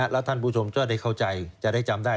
แล้วท่านผู้ชมก็ได้เข้าใจจะได้จำได้